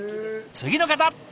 次の方！